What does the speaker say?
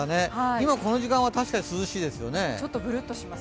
今この時間は確かに涼しいですね。